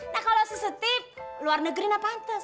nah kalau si steve luar negeri nah pantes